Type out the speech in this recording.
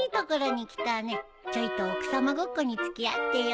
ちょいと奥さまごっこに付き合ってよ。